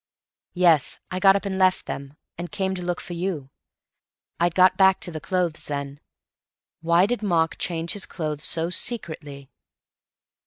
"Yes. I got up and left them, and came to look for you. I'd got back to the clothes then. Why did Mark change his clothes so secretly?